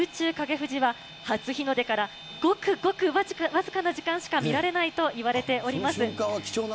富士は、初日の出からごくごく僅かな時間しか見られないといわれております。